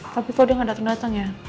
tapi kok dia gak dateng dateng ya